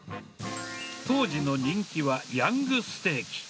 当時の人気はヤングステーキ。